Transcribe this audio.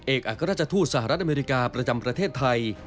อัครราชทูตสหรัฐอเมริกาประจำประเทศไทย